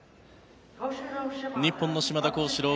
日本の島田高志郎